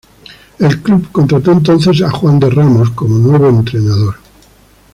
El club contrató entonces a Juande Ramos como nuevo entrenador.